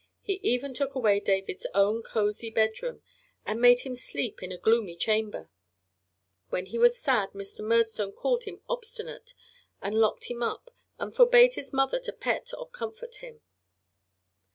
He even took away David's own cozy bedroom and made him sleep in a gloomy chamber. When he was sad Mr. Murdstone called him obstinate and locked him up and forbade his mother to pet or comfort him.